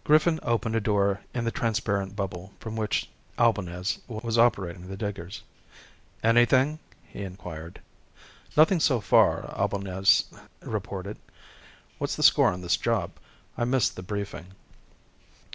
_Griffin opened a door in the transparent bubble from which Albañez was operating the diggers. "Anything?" he inquired. "Nothing so far," Albañez reported. "What's the score on this job? I missed the briefing."